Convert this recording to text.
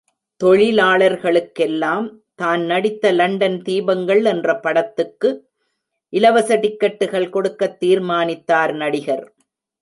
தொழிலாளர்களுக்கெல்லாம் தான் நடித்த லண்டன் தீபங்கள் என்ற படத்துக்கு இலவச டிக்கெட்டுகள் கொடுக்கத் தீர்மானித்தார் நடிகர்.